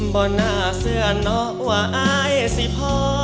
บ่หน้าเสื้อเนาะว่าอายสิพ่อ